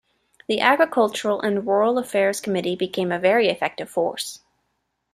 The Agricultural and Rural Affairs Committee became a very effective force.